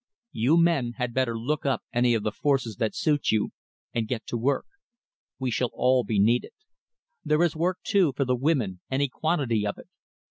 You men had better look up any of the forces that suit you and get to work. We shall all be needed. There is work, too, for the women, any quantity of it.